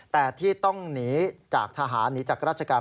แต่ที่ต้องหนีจากทหารหนีจากราชการ